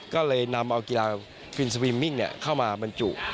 ก็เลยนำเอากีฬาฟินสวิมมิ่งเข้ามาบรรจุ